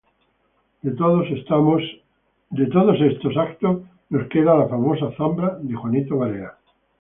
De todos estos eventos, nos queda la famosa zambra de Juanito Varea...